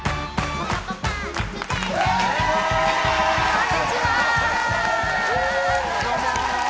こんにちは！